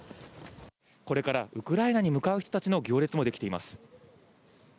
これからウクライナに向かう人たちの行列もできています。